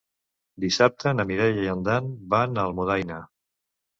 Dissabte na Mireia i en Dan van a Almudaina.